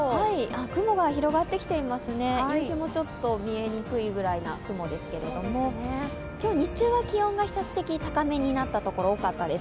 雲が広がってきていますね、夕日もちょっと見えにくいぐらいの雲ですけれども、今日日中は気温が比較的高めになったところが多かったです。